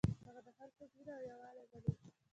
هغه د خلکو مینه او یووالی ولید.